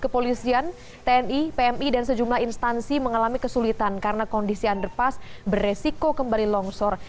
kepolisian tni pmi dan sejumlah instansi mengalami kesulitan karena kondisi underpass beresiko kembali longsor